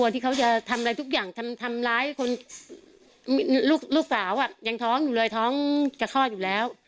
ทุกอย่างทำร้ายคนลูกสาวอ่ะยังท้องอยู่เลยท้องจะคลอดอยู่แล้ว